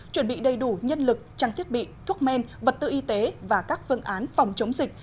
chuẩn bị đầy đủ nhân lực trang thiết bị thuốc men vật tư y tế và các phương án phòng chống dịch